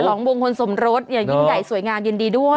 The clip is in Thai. ของมงคลสมรสอย่างยิ่งใหญ่สวยงามยินดีด้วย